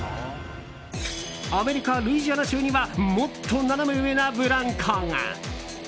アメリカ・ルイジアナ州にはもっとナナメ上なブランコが。